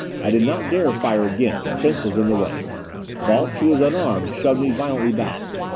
I did not dare fire again. Prince was in the way. Balch, who was unarmed, shoved me violently back.